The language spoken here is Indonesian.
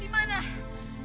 dia sedang mencari saya